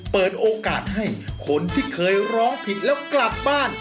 เปิดโอกาสให้คนที่เคยร้องผิดแล้วกลับบ้าน